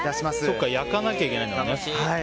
そうか焼かなきゃいけないんだね。